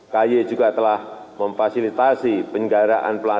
kay juga telah memfasilitasi penyegaraan pelatih